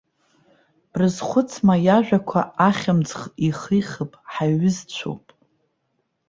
Брызхәыцма иажәақәа ахьымӡӷ ихихып, ҳаиҩызцәоуп?